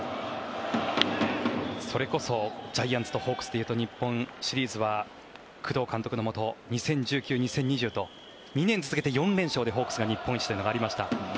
それこそジャイアンツとホークスでいうと日本シリーズは工藤監督のもと２０１９、２０２０と２年連続４連勝でホークスが日本一というのがありました。